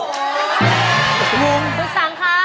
คุณสังค่ะ